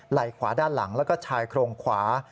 ไหล่ขวาด้านหลังแล้วก็ชายโครงขวา